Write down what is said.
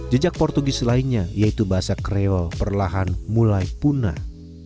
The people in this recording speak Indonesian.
jejak portugis lainnya yaitu bahasa kreo perlahan mulai punah